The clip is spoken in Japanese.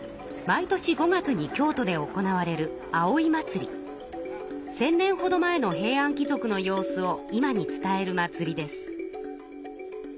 毎年５月に京都で行われる１，０００年ほど前の平安貴族の様子を今に伝える祭りです。